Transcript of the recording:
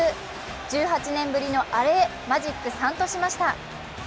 １８年ぶりのアレへ、マジック３としました。